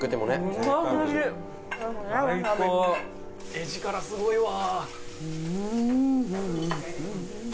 画力すごいわ。